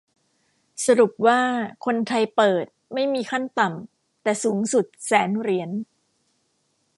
สรุปว่า คนไทยเปิด ไม่มีขั้นต่ำ แต่สูงสุด แสนเหรียญ